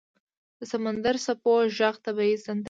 • د سمندر څپو ږغ طبیعي سندره ده.